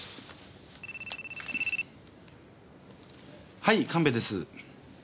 はい神戸です。